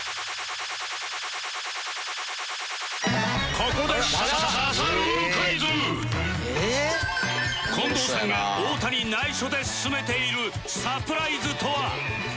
ここで近藤さんが太田に内緒で進めているサプライズとは？